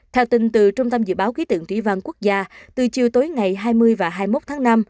theo tin từ trung tâm dự báo khí tượng thủy văn quốc gia từ chiều tối ngày hai mươi và hai mươi một tháng năm